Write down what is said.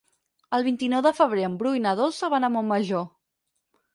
El vint-i-nou de febrer en Bru i na Dolça van a Montmajor.